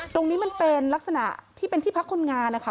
ตรงนี้มันเป็นลักษณะที่เป็นที่พักคนงานนะคะ